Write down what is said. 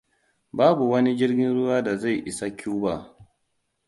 Babu wani jirgin ruwa da zai isa Cuba.